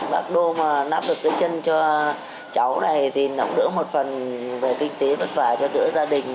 bác đô mà nắp được cái chân cho cháu này thì nó cũng đỡ một phần về kinh tế vất vả cho đỡ gia đình